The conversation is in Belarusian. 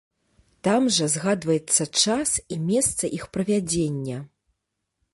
Там жа згадваецца час і месца іх правядзення.